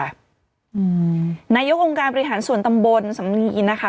นายกองค์การบริหารส่วนตำบลสำนีนะคะ